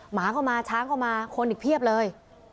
หมาเพิ่มมาช้างก็กันมาคนอีกเพียบเลย